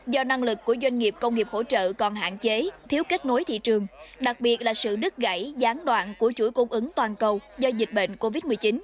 do năng lực của doanh nghiệp công nghiệp hỗ trợ còn hạn chế thiếu kết nối thị trường đặc biệt là sự đứt gãy gián đoạn của chuỗi cung ứng toàn cầu do dịch bệnh covid một mươi chín